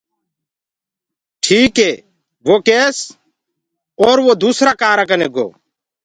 ٺيڪ هي وه ڪيس اور اُرو دوُسرآ ڪآرآ ڪني گو۔